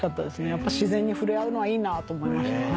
やっぱ自然に触れ合うのはいいなって思いました。